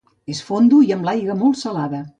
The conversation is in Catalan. És fondo i amb aigua molt salada.